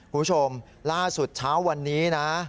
คุณผู้ชมล่าสุดเช้าวันนี้นะ